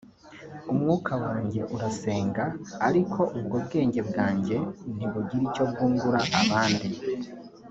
umwuka wanjye urasenga ariko ubwo bwenge bwanjye ntibugira icyo bwungura abandi